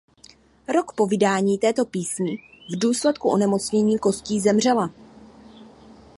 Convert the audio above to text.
Rok po vydání této písni v důsledku onemocnění kostí zemřela.